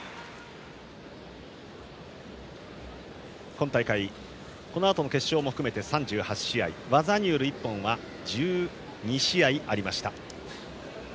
今大会、このあとの決勝も含めて３８試合技による一本は１２試合ありました。